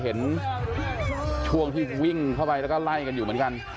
เห็นช่วงที่วิ่งเข้าไปแล้วก็ไล่กันอยู่เหมือนกัน